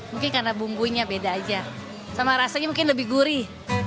mungkin karena bumbunya beda aja sama rasanya mungkin lebih gurih